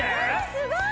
すごい！